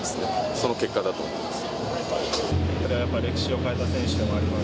その結果だと思います。